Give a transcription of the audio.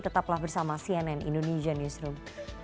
tetaplah bersama cnn indonesia newsroom